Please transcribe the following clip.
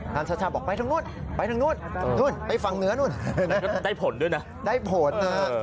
ชัชชาบอกไปทางนู้นไปทางนู้นนู่นไปฝั่งเหนือนู่นได้ผลด้วยนะได้ผลนะ